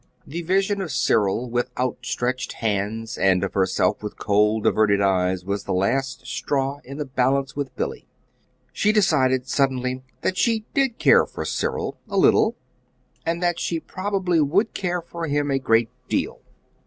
This vision of Cyril with outstretched hands, and of herself with cold, averted eyes was the last straw in the balance with Billy. She decided suddenly that she did care for Cyril a little; and that she probably could care for him a great deal.